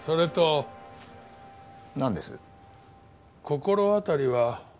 心当たりは？